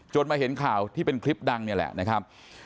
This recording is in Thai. มาเห็นข่าวที่เป็นคลิปดังนี่แหละนะครับ